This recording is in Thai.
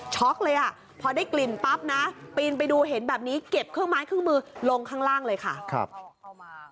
เลยอ่ะพอได้กลิ่นปั๊บนะปีนไปดูเห็นแบบนี้เก็บเครื่องไม้เครื่องมือลงข้างล่างเลยค่ะครับ